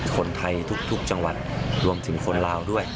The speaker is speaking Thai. คนไทยทุกจังหวัดรวมถึงคนลาวด้วย